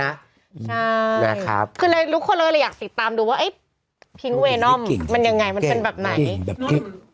เปิดหน้ามาแล้วคือเลยลุคคนเลยอยากติดตามดูว่าไอ้พิงเวนอมมันยังไงมันเป็นแบบไหน